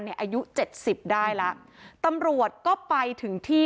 ในอายุ๗๐ได้แล้วตำรวจก็ไปถึงที่